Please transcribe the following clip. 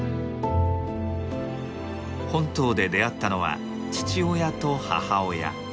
本島で出会ったのは父親と母親。